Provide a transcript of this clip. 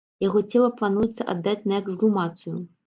Яго цела плануецца аддаць на эксгумацыю.